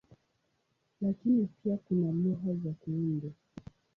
Lakini pia kuna lugha za kuundwa.